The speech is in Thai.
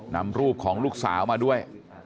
นำรูปของลูกสาวมาด้วย